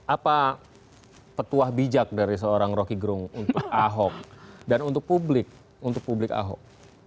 apa petuah bijak dari seorang roky gerung untuk ahok dan untuk publik untuk publik ahok